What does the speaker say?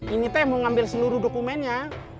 ini tuh yang mau ngambil seluruh dokumennya